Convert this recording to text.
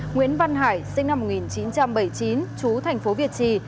nguyễn văn hải sinh năm một nghìn chín trăm bảy mươi chín chú thành phố việt trì